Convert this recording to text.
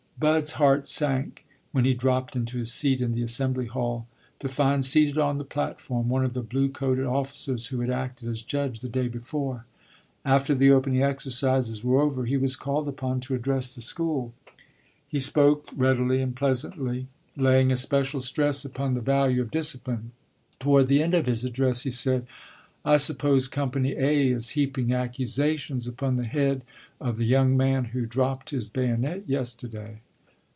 Bud's heart sank when he dropped into his seat in the Assembly Hall to find seated on the platform one of the blue coated officers who had acted as judge the day before. After the opening exercises were over he was called upon to address the school. He spoke readily and pleasantly, laying especial stress upon the value of discipline; toward the end of his address he said "I suppose company 'A' is heaping accusations upon the head of the young man who dropped his bayonet yesterday."